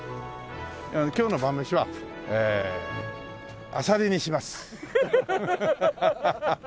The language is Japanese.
今日の晩飯はえーあさりにします。